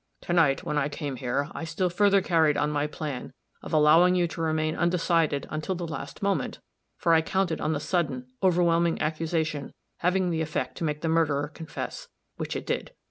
To night, when I came here, I still further carried on my plan of allowing you to remain undecided until the last moment, for I counted on the sudden, overwhelming accusation having the effect to make the murderer confess which it did.